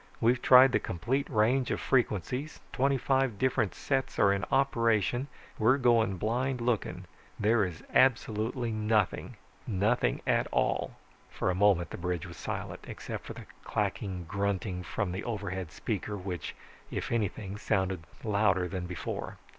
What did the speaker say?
We've tried the complete range of frequencies, twenty five different sets are in operation, we're going blind looking. There is absolutely nothing, nothing at all." For a moment the bridge was silent, except for the clacking grunting from the overhead speaker which, if anything, sounded louder than before.